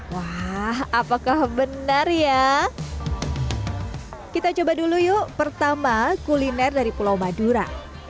wah apakah benar ya kita coba dulu yuk pertama kuliner dari pulau madura